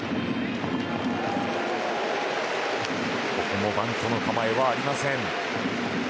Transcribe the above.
ここもバントの構えはありません。